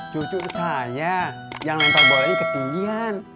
cucu saya yang lempar bola ini ketian